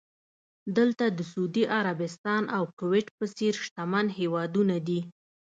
دلته د سعودي عربستان او کوېټ په څېر شتمن هېوادونه دي.